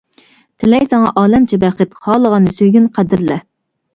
تىلەي ساڭا ئالەمچە بەخت، خالىغاننى سۆيگىن، قەدىرلە.